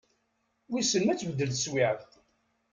Wissen ma ad tbeddel teswiɛt?